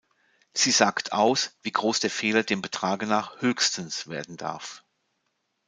Sie sagt aus, wie groß der Fehler dem Betrage nach "höchstens" werden darf.